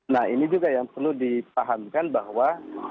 nah ini juga yang perlu dipahamkan bahwa